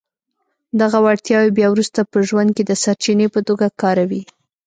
دغه وړتياوې بيا وروسته په ژوند کې د سرچینې په توګه کاروئ.